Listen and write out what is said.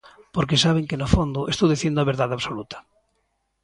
Porque saben que no fondo estou dicindo a verdade absoluta.